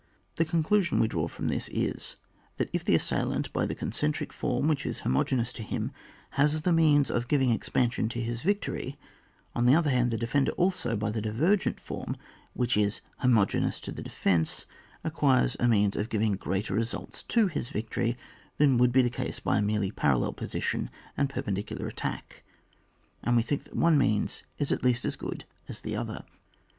The conclusion we draw from this iS| that if the assailant, by the concentric form which is homogeneous to him, has the means of giving expansion to his victory, on the other hand the defender also, by the divergent form which is homogeneous to the defence, acquires a a means of giving greater results to his victory than would be the case by a merely parallel position and perpendicu lar attack, and we think that one means is at least as good as the other. 98 ON WAR, [book n.